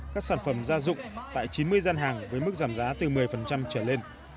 các sản phẩm gia dụng tại chín mươi gian hàng với mức giảm giá từ một mươi trở lên